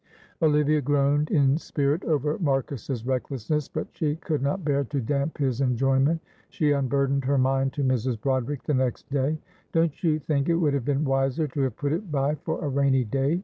Olivia groaned in spirit over Marcus's recklessness, but she could not bear to damp his enjoyment. She unburdened her mind to Mrs. Broderick the next day. "Don't you think it would have been wiser to have put it by for a rainy day?"